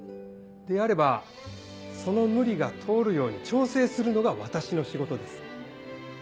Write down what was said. であればその無理が通るように調整するのが私の仕事です。